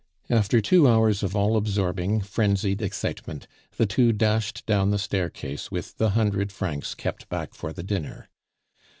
After two hours of all absorbing, frenzied excitement, the two dashed down the staircase with the hundred francs kept back for the dinner.